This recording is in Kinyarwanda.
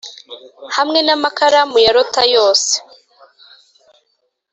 hamwe namakaramu ya lotta yose